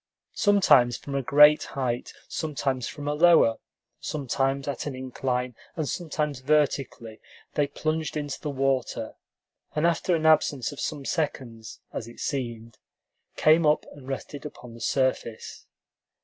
Sometimes from a great height, sometimes from a lower, sometimes at an incline, and sometimes vertically, they plunged into the water, and after an absence of some seconds, as it seemed, came up and rested upon the surface.